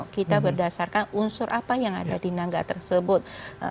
kita berdasarkan unsur apa yang ada di nangga tersebut